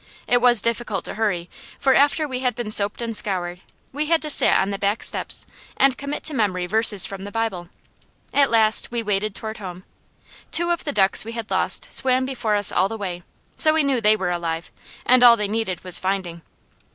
It was difficult to hurry, for after we had been soaped and scoured, we had to sit on the back steps and commit to memory verses from the Bible. At last we waded toward home. Two of the ducks we had lost swam before us all the way, so we knew they were alive, and all they needed was finding.